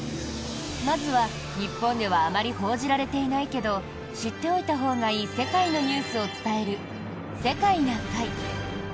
まずは、日本ではあまり報じられていないけど知っておいたほうがいい世界のニュースを伝える「世界な会」。